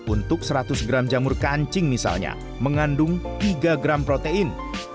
untuk seratus gram jamur kancing misalnya mengandung tiga gram protein